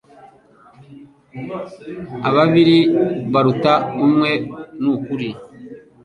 Ababiri baruta umwe nukuri